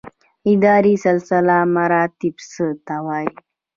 اداري سلسله مراتب څه ته وایي؟